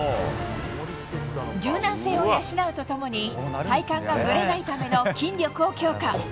柔軟性を養うと共に体幹がぶれないための筋力を強化。